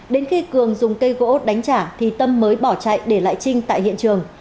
đến khi cường dùng cây gỗ đánh trả thì tâm mới bỏ chạy để lại trinh tại hiện trường